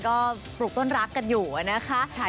ก็กลุ่มต้นรักกันอยู่นะครับ